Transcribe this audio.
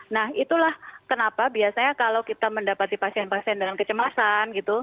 nah itulah kenapa biasanya kalau kita mendapati pasien pasien dengan kecemasan gitu